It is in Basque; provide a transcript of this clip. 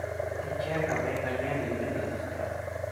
Etxeak habeen gainean egiten dituzte.